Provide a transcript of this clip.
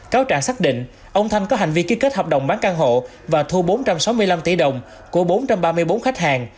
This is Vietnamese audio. cáo trạng xác định ông thanh có hành vi ký kết hợp đồng bán căn hộ và thu bốn trăm sáu mươi năm tỷ đồng của bốn trăm ba mươi bốn khách hàng